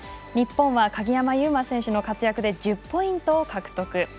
日本は鍵山優真選手の活躍で１０ポイントを獲得。